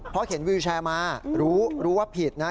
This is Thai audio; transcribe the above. เพราะเข็นวิวแชร์มารู้ว่าผิดนะ